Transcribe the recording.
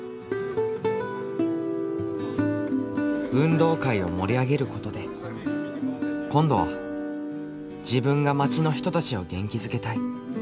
「運動会を盛り上げることで今度は自分が町の人たちを元気づけたい」。